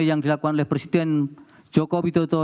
yang dilakukan oleh presiden joko widodo